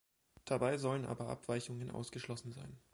Dabei sollen aber Abweichungen ausgeschlossen sein.